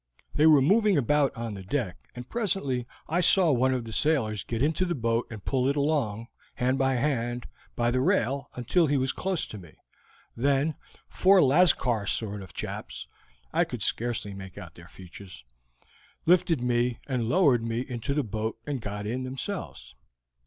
They were moving about on the deck, and presently I saw one of the sailors get into the boat and pull it along, hand over hand, by the rail, until he was close to me. Then four Lascar sort of chaps I could scarcely make out their features lifted me and lowered me into the boat and got in themselves.